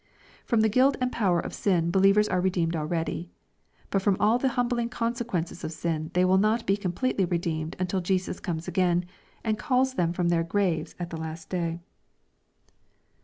Erom the guilt and power of sin believers are redeemed already. But from all the hum bling consequences of sin they will not be completely redeemed until Jesus comes again, and calls them from their graves at the last day.